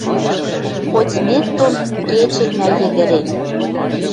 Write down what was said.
Хоть смерть дон кечӹнь мӓ йӹгӹре